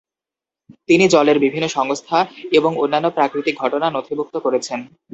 তিনি জলের বিভিন্ন সংস্থা এবং অন্যান্য প্রাকৃতিক ঘটনা নথিভুক্ত করেছেন।